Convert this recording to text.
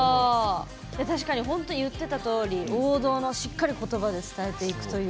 確かに本当に言ってたとおり王道のしっかり言葉で伝えていくという。